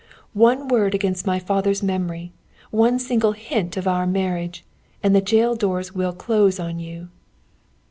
One word against my father's memory, one single hint of our marriage, and the jail doors will close on you."